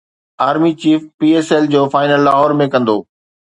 army chief P S L جو final Lahore ۾ ڪندو